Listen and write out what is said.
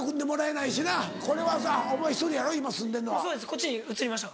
こっちに移りました